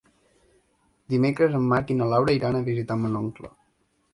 Dimecres en Marc i na Laura iran a visitar mon oncle.